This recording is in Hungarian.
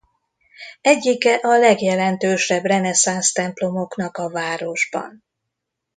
Egyike a legjelentősebb reneszánsz templomoknak a városban.